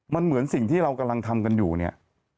มันเหมือนสิ่งที่เรากำลังทำกันอยู่เนี่ย